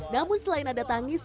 namun selain ada tangis